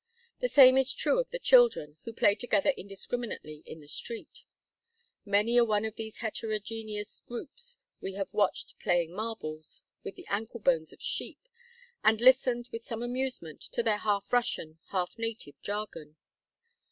The same is true of the children, who play together indiscriminately in the street. Many a one of these heterogeneous groups we have watched "playing marbles" with the ankle bones of sheep, and listened, with some amusement, to their half Russian, half native jargon.